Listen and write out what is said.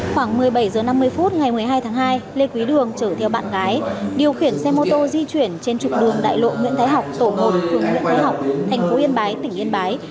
khoảng một mươi bảy h năm mươi phút ngày một mươi hai tháng hai lê quý đường chở theo bạn gái điều khiển xe mô tô di chuyển trên trục đường đại lộ nguyễn thái học tổ một phường nguyễn thái học tp yên bái tỉnh yên bái